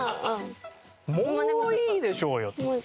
もういいでしょうよ。